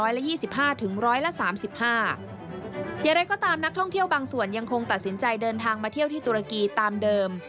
อย่างไรก็ตามนักท่องเที่ยวบางส่วนยังคงตัดสินใจเดินทางมาเที่ยวที่ตุรกีตามเดิม